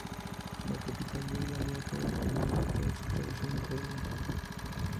La capital del valiato o emirato se estableció en Córdoba.